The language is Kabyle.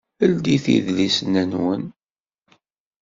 Ldit idlisen-nwen!